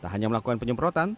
tak hanya melakukan penyemprotan